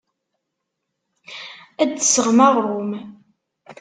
Ad d-tesɣem aɣrum.